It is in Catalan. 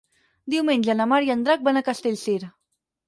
Diumenge na Mar i en Drac van a Castellcir.